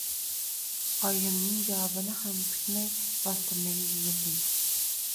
Oyimning javobini ham kutmay bostirmaga yugurdim.